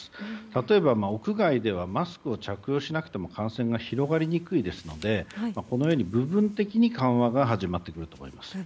例えば屋外ではマスクを着用しなくても感染は広がりにくいので部分的に緩和が始まると思います。